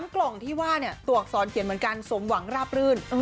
กล่องที่ว่าตัวอักษรเขียนเหมือนกันสมหวังราบรื่น